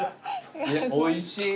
おいしい。